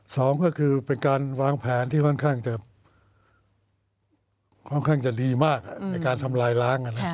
สองก็คือเป็นการวางแผนที่ค่อนข้างจะค่อนข้างจะดีมากในการทำลายล้าง